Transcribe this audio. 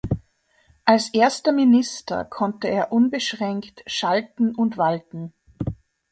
Als erster Minister konnte er unbeschränkt schalten und walten.